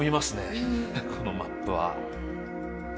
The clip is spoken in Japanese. このマップは。